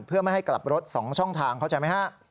เพื่อไม่ให้กลับรถ๒ช่องทางเข้าใจไหมฮะ